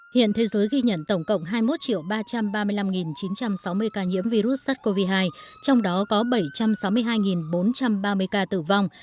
hiện thế giới ghi nhận tổng cộng hai mươi một ba trăm ba mươi năm chín trăm sáu mươi ca nhiễm virus sars cov hai trong đó có bảy trăm sáu mươi hai bốn trăm ba mươi ca tử vong